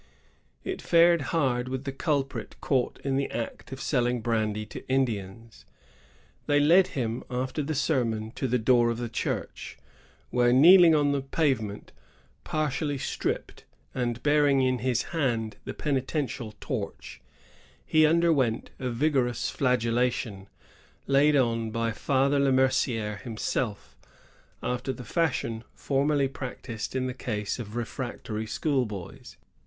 It fared hard with the culprit caught in the act of selling brandy to Indians. They led him, after the sermon, to the door of the church; where, kneeling on the pavement, partiaUy stript and bearing in his hand the penitential torch, he underwent a vigorous flagel lation, laid on by Father Le Mercier himself, after the fashion formerly practised in the case of refractory school boys.